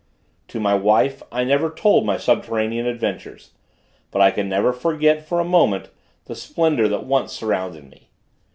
To my wife, I never told my subterranean adventures; but I can never forget, for a moment, the splendor that once surrounded me.